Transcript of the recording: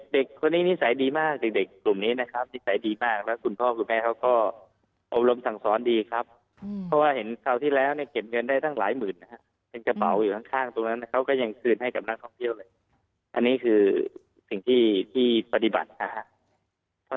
เด็กคนนี้นิสัยดีมากเด็กเด็กกลุ่มนี้นะครับนิสัยดีมากแล้วคุณพ่อคุณแม่เขาก็อบรมสั่งสอนดีครับเพราะว่าเห็นคราวที่แล้วเนี่ยเก็บเงินได้ตั้งหลายหมื่นนะฮะเป็นกระเป๋าอยู่ข้างตรงนั้นเขาก็ยังคืนให้กับนักท่องเที่ยวเลยอันนี้คือสิ่งที่ที่ปฏิบัตินะครับ